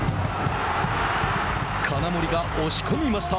金森が押し込みました。